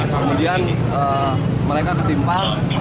kemudian mereka ketimpa